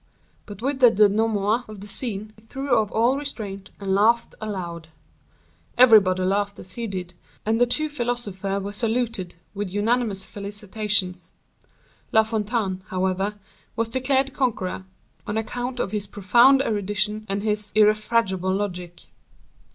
But with the denouement of the scene he threw off all restraint, and laughed aloud. Everybody laughed as he did, and the two philosophers were saluted with unanimous felicitations. La Fontaine, however, was declared conqueror, on account of his profound erudition and his irrefragable logic.